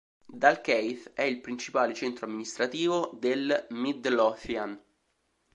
Dalkeith è il principale centro amministrativo del Midlothian.